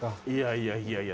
いやいやいや。